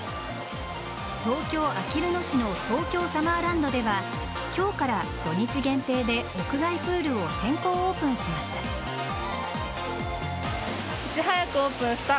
東京・あきる野市の東京サマーランドでは今日から土日限定で屋外プールを先行オープンしました。